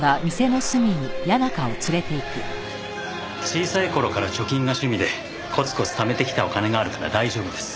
小さい頃から貯金が趣味でコツコツためてきたお金があるから大丈夫です。